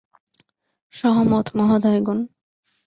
সহমত, মহোদয়গণ।